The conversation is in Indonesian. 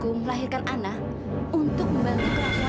t executing relationship dan keluarga polsce